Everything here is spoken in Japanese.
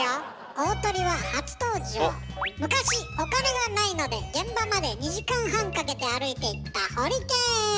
大トリは初登場昔お金がないので現場まで２時間半かけて歩いていったホリケン！